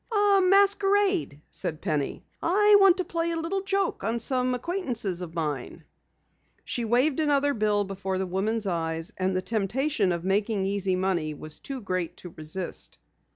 "A masquerade," said Penny. "I want to play a little joke on some acquaintances of mine." She waved another bill before the woman's eyes, and the temptation of making easy money was too great to resist.